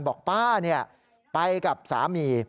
บอกป้าเนี่ยไปกับสามี